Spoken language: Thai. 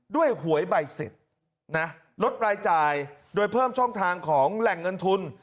หวยใบเสร็จนะลดรายจ่ายโดยเพิ่มช่องทางของแหล่งเงินทุน